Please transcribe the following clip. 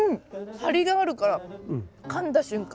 張りがあるからかんだ瞬間